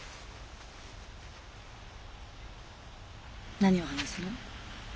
何を話すの？